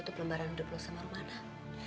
lo tutup lembaran hidup lo sama rumah anak